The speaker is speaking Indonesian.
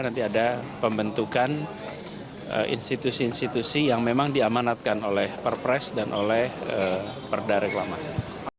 nanti ada pembentukan institusi institusi yang memang diamanatkan oleh perpres dan oleh perda reklamasi